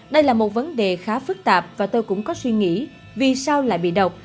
đây là một vấn đề khá phức tạp và tôi cũng có suy nghĩ vì sao lại bị độc